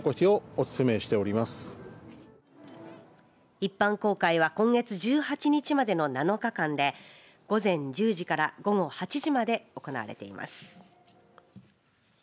一般公開は今月１８日までの７日間で午前１０時から午後８時まで行われています。